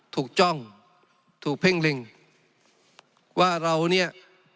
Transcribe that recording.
จ้องถูกเพ่งเล็งว่าเราเนี่ย